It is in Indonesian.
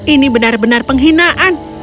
ini benar benar penghinaan